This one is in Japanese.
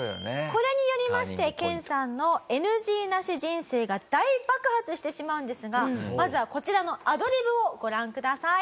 これによりまして研さんのＮＧなし人生が大爆発してしまうんですがまずはこちらのアドリブをご覧ください。